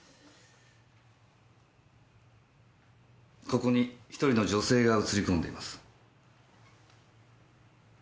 ここに１人の女性が写りこんでいます。